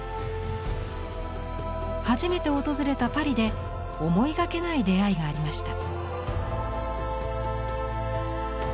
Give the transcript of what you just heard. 初めて訪れたパリで思いがけない出会いがありました。